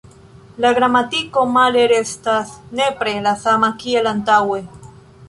La gramatiko male restas nepre la sama kiel antaŭe".